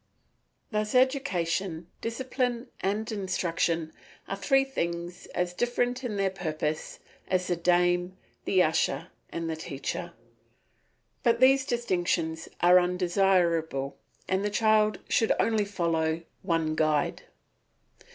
Thus, education, discipline, and instruction are three things as different in their purpose as the dame, the usher, and the teacher. But these distinctions are undesirable and the child should only follow one guide.